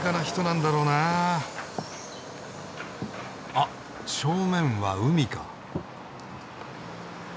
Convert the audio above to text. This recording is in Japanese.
あ正面は海か。